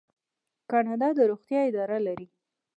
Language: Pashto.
کاناډا د روغتیا اداره لري.